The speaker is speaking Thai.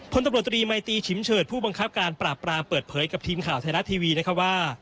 ตำรวจตรีมัยตีฉิมเฉิดผู้บังคับการปราบปรามเปิดเผยกับทีมข่าวไทยรัฐทีวีนะครับว่า